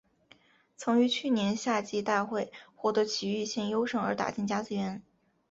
曾于去年夏季大会获得崎玉县优胜而打进甲子园。